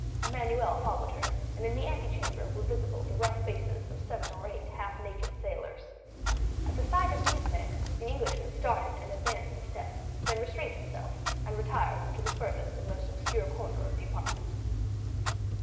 Emmanuel followed her, and in the antechamber were visible the rough faces of seven or eight half naked sailors. At the sight of these men the Englishman started and advanced a step; then restrained himself, and retired into the farthest and most obscure corner of the apartment.